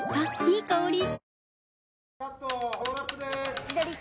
いい香り。